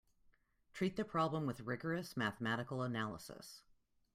Treat the problem with rigorous mathematical analysis.